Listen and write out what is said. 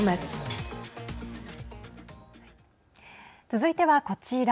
続いてはこちら。